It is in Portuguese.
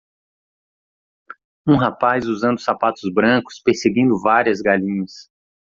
um rapaz usando sapatos brancos perseguindo várias galinhas